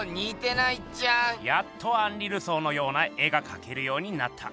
「やっとアンリ・ルソーのような絵が描けるようになった」。